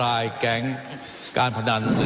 ว่าการกระทรวงบาทไทยนะครับ